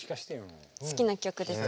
好きな曲ですか？